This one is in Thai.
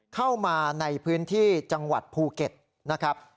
เข้ามาในพื้นที่จังหวัดภูเก็ตนะครับ